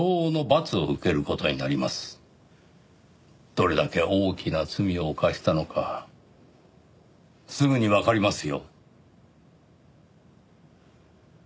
どれだけ大きな罪を犯したのかすぐにわかりますよ。